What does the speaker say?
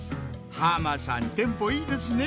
浜さんテンポいいですねぇ！